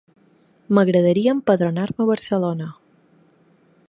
M'agradaria empadronar-me a Barcelona.